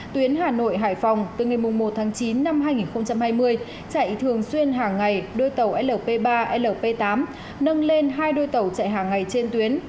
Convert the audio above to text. tuyến hà nội hải phòng từ ngày một tháng chín năm hai nghìn hai mươi chạy thường xuyên hàng ngày đôi tàu lp ba lp tám nâng lên hai đôi tàu chạy hàng ngày trên tuyến